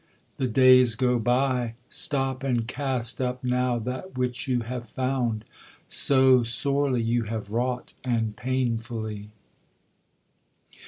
the days go by, Stop and cast up now that which you have found, So sorely you have wrought and painfully.